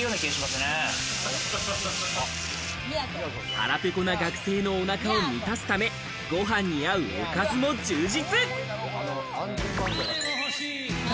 腹ペコな学生のおなかを満たすため、ご飯に合うおかずも充実。